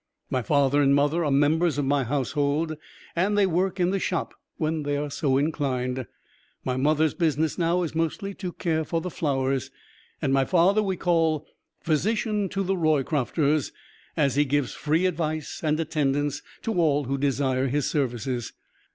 My father and mother are members of my household, and they work in the Shop when they are so inclined. My mother's business now is mostly to care for the flowers, and my father we call "Physician to The Roycrofters," as he gives free advice and attendance to all who desire his services.